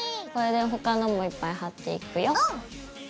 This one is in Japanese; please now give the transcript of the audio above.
これで他のもいっぱい貼っていくよ。